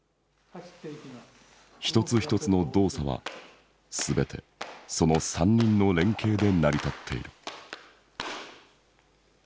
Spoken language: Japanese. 一つ一つの動作は全てその三人の連携で成り立っている。